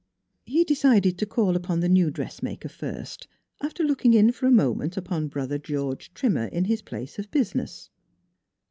He decided to call upon the new dressmaker first, after looking in for a moment upon Brother George Trimmer in his place of business.